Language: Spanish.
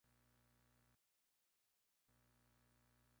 Protagonizada por Araceli González y Pablo Echarri.